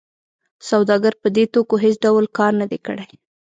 سوداګر په دې توکو هېڅ ډول کار نه دی کړی